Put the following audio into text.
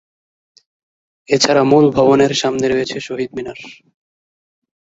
এছাড়া মূল ভবনের সামনে রয়েছে শহীদ মিনার।